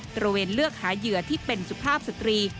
ระเวนเลือกหาเหยื่อที่เป็นสุภาพสตรี